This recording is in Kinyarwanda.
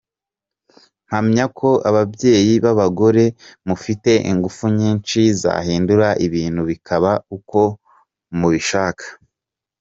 Mpamya ko ababyeyi b’abagore mufite ingufu nyinshi zahindura ibintu bikaba uko mubishaka.